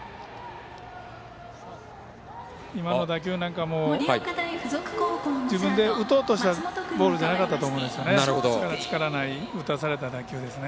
今の打球なんかも自分で打とうとしたボールじゃなかったと思うんですよね。